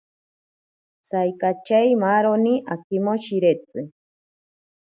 Saikachei maaroni akimoshiretsi.